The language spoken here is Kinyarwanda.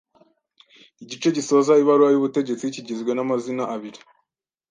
igice gisoza ibaruwa y’ ubutegetsi kigizwe n’amazina abiri